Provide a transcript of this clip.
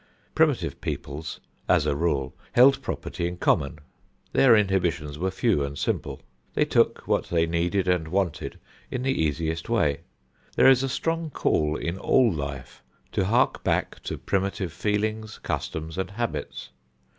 Primitive peoples, as a rule, held property in common. Their inhibitions were few and simple. They took what they needed and wanted in the easiest way. There is a strong call in all life to hark back to primitive feelings, customs and habits.